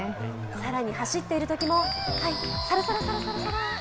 更に走っているときも、はい、サラサラサラ。